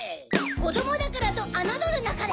子供だからと侮るなかれ！